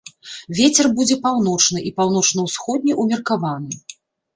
Вецер будзе паўночны і паўночна-ўсходні ўмеркаваны.